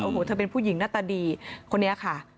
โอ้โหเธอเป็นผู้หญิงหน้าตาดีคนนี้ค่ะ